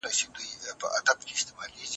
بریالي خلک د پرمختګ له پاره خطرونه په ځان مني.